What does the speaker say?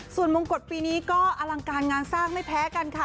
ส่วนมงกฎปีนี้ก็อลังการงานสร้างไม่แพ้กันค่ะ